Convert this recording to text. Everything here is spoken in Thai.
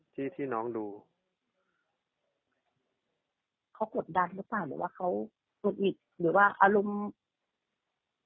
ที่ที่น้องดูเขากดดันหรือเปล่าหรือว่าเขาหงุดหงิดหรือว่าอารมณ์